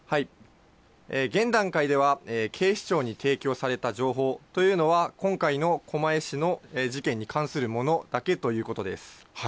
現段階では、警視庁に提供された情報というのは、今回の狛江市の事件に関するものだけということです。